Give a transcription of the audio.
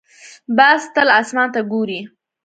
باز تل اسمان ته ګوري